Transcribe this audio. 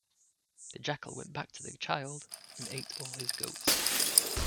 The jackal went back to the child, and ate all his goats.